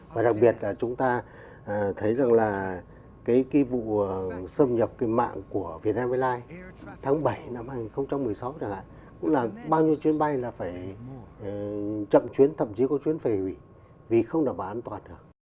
và đặc biệt là chúng ta thấy rằng là cái vụ xâm nhập cái mạng của vietnam airlines tháng bảy năm hai nghìn một mươi sáu cũng là bao nhiêu chuyến bay là phải chậm chuyến thậm chí có chuyến về vì không đảm bảo an toàn